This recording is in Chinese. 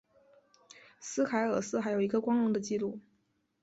斯凯尔斯还有一个光荣的记录。